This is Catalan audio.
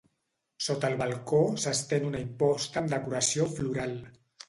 Sota el balcó s'estén una imposta amb decoració floral.